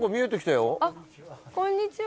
こんにちは。